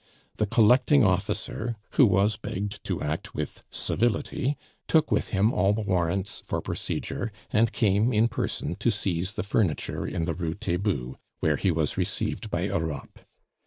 The collecting officer, who was begged to act with civility, took with him all the warrants for procedure, and came in person to seize the furniture in the Rue Taitbout, where he was received by Europe.